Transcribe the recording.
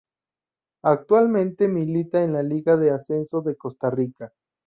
Actualmente milita en la Liga de Ascenso de Costa Rica.